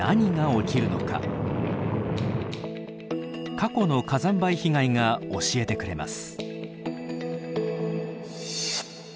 過去の火山灰被害が教えてくれます。